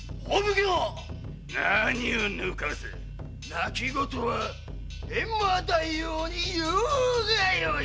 「泣き言はエンマ大王に言うがよい！」